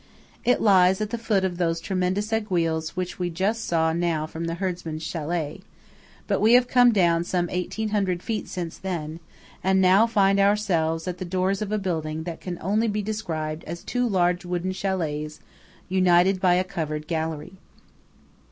It lies at the foot of those tremendous aiguilles which we saw just now from the herdsman's châlet; but we have come down some 1800 feet since then, and now find ourselves at the doors of a building that can only be described as two large wooden châlets united by a covered gallery.